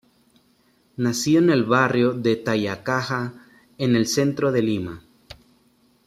Nacido en el barrio de Tayacaja, en el centro de Lima.